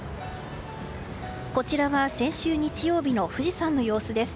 こちらは先週日曜日の富士山の様子です。